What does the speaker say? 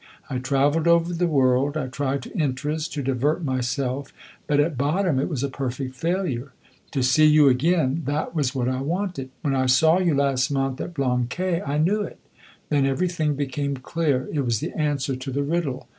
I travelled over the world, I tried to interest, to divert myself; but at bottom it was a perfect failure. To see you again that was what I wanted. When I saw you last month at Blanquais I knew it; then everything became clear. It was the answer to the riddle.